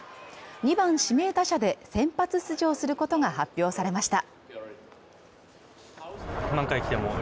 ２番指名打者で先発出場することが発表されました。